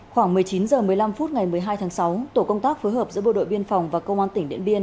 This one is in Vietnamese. khoảng một mươi chín h một mươi năm phút ngày một mươi hai tháng sáu tổ công tác phối hợp giữa bộ đội biên phòng và công an tỉnh điện biên